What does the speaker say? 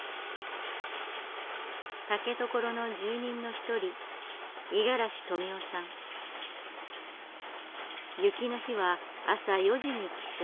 竹所の住人の一人雪の日は朝４時に起床。